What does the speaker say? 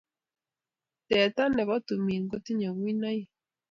Teta nebo tumin kotinyei kuinoik